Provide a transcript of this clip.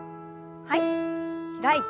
はい。